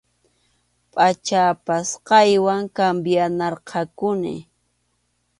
Pʼachan apasqaywan cambianayarquni.